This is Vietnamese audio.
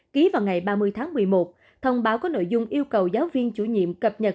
ký vào ngày ba mươi tháng một mươi một thông báo có nội dung yêu cầu giáo viên chủ nhiệm cập nhật